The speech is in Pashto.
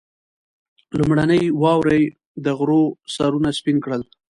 لومړنۍ واورې د غرو سرونه سپين کړل.